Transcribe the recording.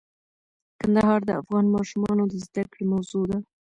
کندهار د افغان ماشومانو د زده کړې موضوع ده.